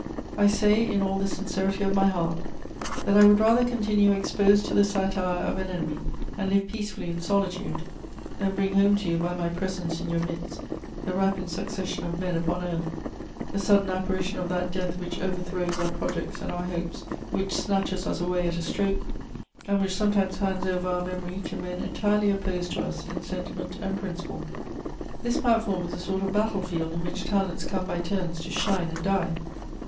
I say, in all the sincerity of my heart, that I would rather continue exposed to the satire of an enemy, and live peacefully in solitude, than bring home to you, by my presence in your midst, the rapid succession of men upon earth, the sudden apparition of that death which overthrows our projects and our hopes, which snatches us away at a stroke, and which sometimes hands over our memory to men entirely opposed to us in sentiment and principle. This platform is a sort of battle field in which talents come by turns to shine and die.